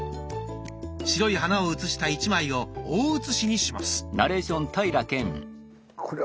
白い花を写した１枚を大写しにします。